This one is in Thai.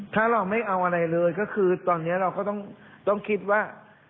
ถ้าเราไม่เอาอะไรเลยก็คือตอนนี้เราก็ต้องคิดว่า